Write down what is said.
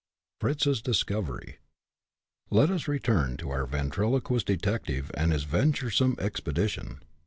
FRITZ'S DISCOVERY. Let us return to our ventriloquist detective and his venturesome expedition.